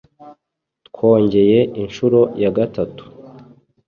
twongeye inshuro ya gatatu